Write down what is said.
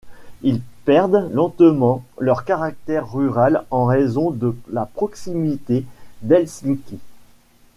Ils perdent lentement leur caractère rural en raison de la proximité d'Helsinki.